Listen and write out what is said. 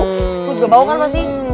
kok juga bau kan pasti